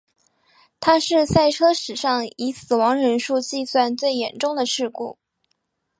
它是赛车史上以死亡人数计算最严重的事故。